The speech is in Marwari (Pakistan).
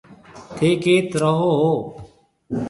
ٿَي ڪيٿ رهون هون؟